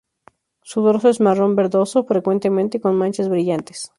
Su dorso es marrón-verdoso, frecuentemente con manchas brillantes.